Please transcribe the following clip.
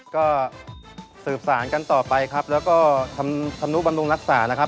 ก็สืบสารกันต่อไปครับแล้วก็ทำธนุบำรุงรักษานะครับ